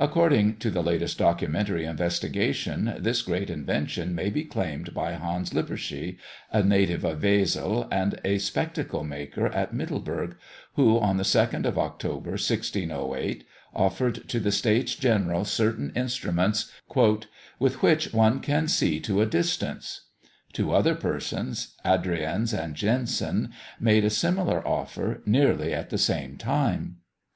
According to the latest documentary investigations, this great invention may be claimed by Hans Lippershey, a native of Wesel and a spectacle maker at Middelburg, who, on the 2nd of October, 1608, offered to the States General certain instruments "with which one can see to a distance." Two other persons, Adrienz and Jansen, made a similar offer, nearly at the same time.